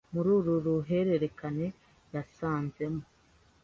muri uru ruhererekane yasanze mo